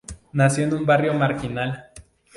Nació en un barrio marginal.